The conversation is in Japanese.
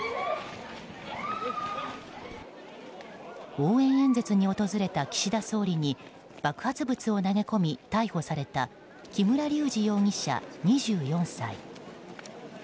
応援演説に訪れた岸田総理に爆発物を投げ込み逮捕された木村隆二容疑者、２４歳。